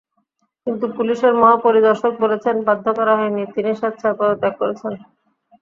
কিন্তু পুলিশের মহাপরিদর্শক বলেছেন, বাধ্য করা হয়নি, তিনি স্বেচ্ছায় পদত্যাগ করেছেন।